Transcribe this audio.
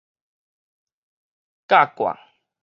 合掛